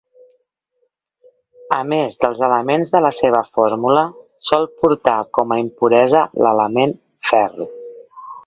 A més dels elements de la seva fórmula, sol portar com a impuresa l'element ferro.